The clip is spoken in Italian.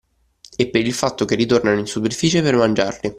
E per il fatto che ritornano in superficie per mangiarli